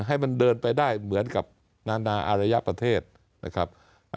ให้มันเดินไปได้เหมือนกับนานาอารยประเทศนะครับ